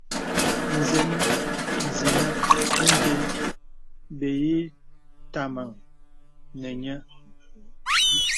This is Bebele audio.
Nzen nzinə inde bə ǐ tamaŋ nè nyə̄.